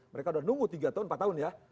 mereka udah nunggu tiga tahun empat tahun ya